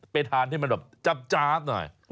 ไปทานให้มันแบบจาบหน่อย